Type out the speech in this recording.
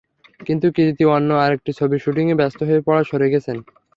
কিন্তু কৃতি অন্য আরেকটি ছবির শুটিংয়ে ব্যস্ত হয়ে পড়ায় সরে গেছেন।